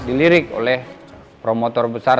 dilirik oleh promotor besar